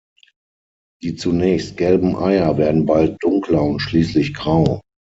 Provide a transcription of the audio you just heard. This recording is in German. Die zunächst gelben Eier werden bald dunkler und schließlich grau.